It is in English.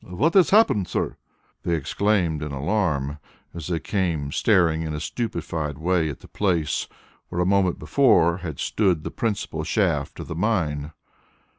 "What has happened, sir?" they exclaimed in alarm, as they came staring in a stupefied way at the place where a moment before had stood the principal shaft of the mine.